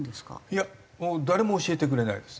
いやもう誰も教えてくれないです。